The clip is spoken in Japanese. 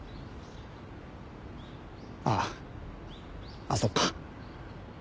あああっそっか。